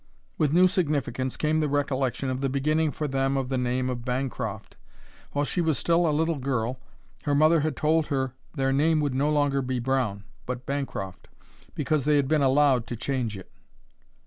With new significance came the recollection of the beginning for them of the name of Bancroft. While she was still a little girl her mother had told her their name would no longer be Brown, but Bancroft, because they had been allowed to change it.